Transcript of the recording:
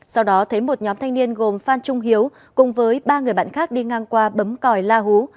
sau đó thấy một nhóm thanh niên gồm phan trung hiếu cùng với ba người bạn khác đi ngang qua bấm còi la hú